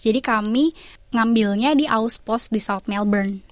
jadi kami mengambilnya di auspost di south melbourne